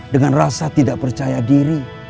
dengan rasa tidak percaya diri